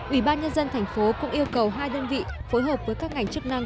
ủy ban nhân dân tp cũng yêu cầu hai đơn vị phối hợp với các ngành chức năng